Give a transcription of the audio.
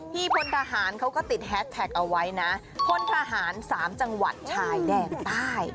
พลทหารเขาก็ติดแฮสแท็กเอาไว้นะพลทหาร๓จังหวัดชายแดนใต้